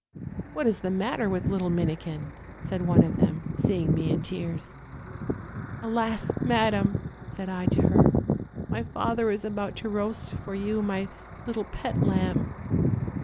'What is the matter with the little Minikin?' said one of them, seeing me in tears. " 'Alas! madam,' said I to her, 'my father is about to roast for you my little pet lamb.'